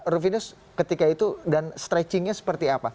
rufinus ketika itu dan stretchingnya seperti apa